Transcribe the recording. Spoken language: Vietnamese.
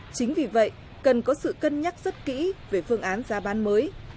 chính vì vậy cần có sự cân nhắc rất kỹ về phương án giá bán mới